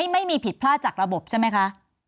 ไม่มีผิดพลาดจากระบบใช่ไหมคะ